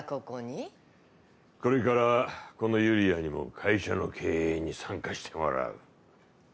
これからはこのユリアにも会社の経営に参加してもらう。